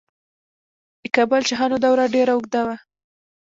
د کابل شاهانو دوره ډیره اوږده وه